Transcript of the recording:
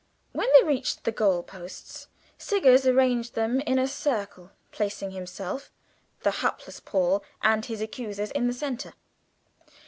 When they reached the goal posts Siggers arranged them in a circle, placing himself, the hapless Paul, and his accusers in the centre.